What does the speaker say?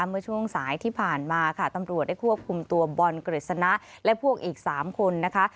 เมื่อช่วงสายที่ผ่านมาค่ะตำรวจได้ควบคุมตัวบอลกฤษณะและพวกอีก๓คนนะคะ